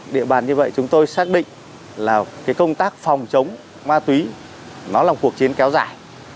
địa bàn như vậy chúng tôi xác định là công tác phòng chống ma túy nó là một cuộc chiến kéo dài